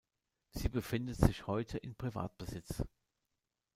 Sie befindet sich heute in Privatbesitz.